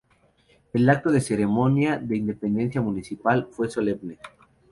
El acto de ceremonia de independencia municipal fue solemne.